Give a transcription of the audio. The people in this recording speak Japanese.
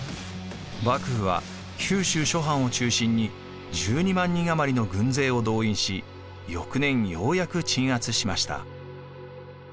幕府は九州諸藩を中心に１２万人余りの軍勢を動員し翌年ようやく鎮圧しました。